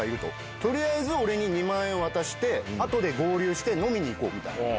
とりあえず俺に２万円渡して、あとで合流して飲みに行こうみたいな。